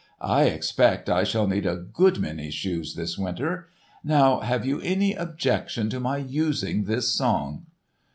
I expect I shall need a good many shoes this winter. Now have you any objection to my using this song?"